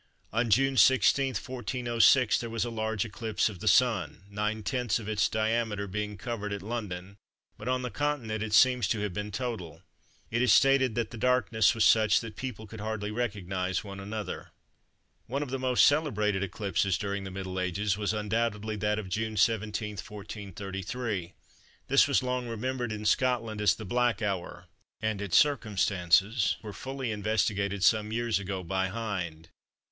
On June 16, 1406, there was a large eclipse of the Sun, 9/10ths of its diameter being covered at London; but on the Continent it seems to have been total. It is stated that the darkness was such that people could hardly recognise one another. One of the most celebrated eclipses during the Middle Ages was undoubtedly that of June 17, 1433. This was long remembered in Scotland as the "Black Hour," and its circumstances were fully investigated some years ago by Hind.